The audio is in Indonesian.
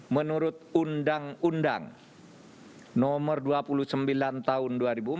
menurut undang undang nomor dua puluh sembilan tahun dua ribu empat